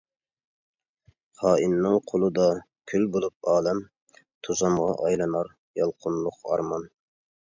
خائىننىڭ قولىدا كۈل بولۇپ ئالەم، توزانغا ئايلىنار يالقۇنلۇق ئارمان.